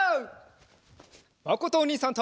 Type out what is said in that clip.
まことおにいさんと。